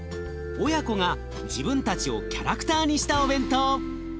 親子が自分たちをキャラクターにしたお弁当。